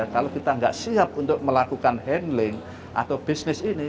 kalau kita nggak siap untuk melakukan handling atau bisnis ini